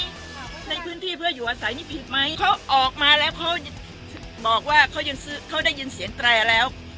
ในพื้นที่เพื่ออยู่อาศัยนี่ผิดไหมเขาออกมาแล้วเขาบอกว่าเขายังซื้อเขาได้ยินเสียงแตรแล้ว